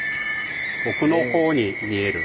奥の方に見える。